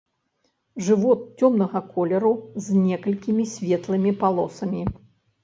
Жывот цёмнага колеру з некалькімі светлымі палосамі.